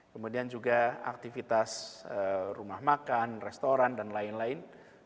kemudian juga aktivitas rumah makan restoran dan lain lain